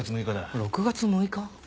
６月６日。